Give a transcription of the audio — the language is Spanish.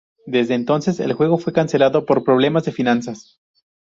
Desde entonces, el juego fue cancelado por problemas de finanzas.